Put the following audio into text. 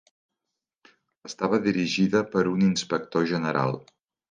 Estava dirigida per un inspector general.